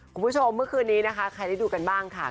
คุณผู้ชมเมื่อคืนนี้นะคะใครได้ดูกันบ้างค่ะ